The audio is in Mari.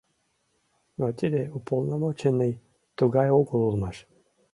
Но тиде «уполномоченный» тугай огыл улмаш.